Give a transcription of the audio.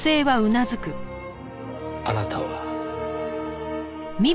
あなたは。